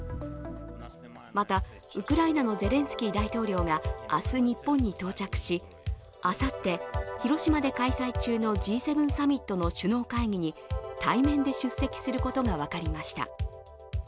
また、ウクライナのゼレンスキー大統領が明日、日本に到着しあさって広島で開催中のＧ７サミットの首脳会議に対面で出席することが分かりました。